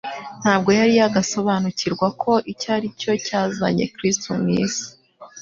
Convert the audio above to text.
Ntabwo yari yagasobanukirwa ko icyo ari cyo cyazanye Kristo mu isi.